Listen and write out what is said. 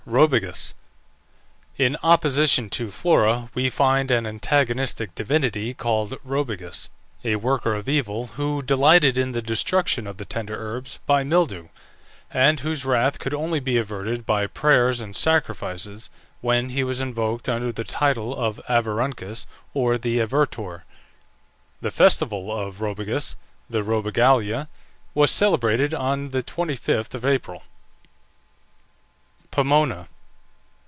ROBIGUS. In opposition to Flora we find an antagonistic divinity, called Robigus, a worker of evil, who delighted in the destruction of the tender herbs by mildew, and whose wrath could only be averted by prayers and sacrifices, when he was invoked under the title of Averuncus, or the Avertor. The festival of Robigus (the Robigalia) was celebrated on the 25th of April. POMONA.